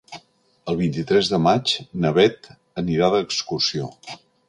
El vint-i-tres de maig na Bet anirà d'excursió.